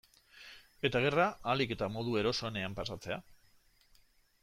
Eta gerra ahalik eta modu erosoenean pasatzea.